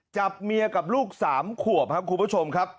จับเมียกับลูก๓ขวบครับคุณผู้ชมครับ